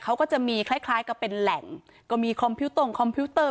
เขาก็จะมีคล้ายคล้ายกับเป็นแหล่งก็มีคอมพิวตรงคอมพิวเตอร์